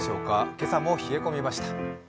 今朝も冷え込みました。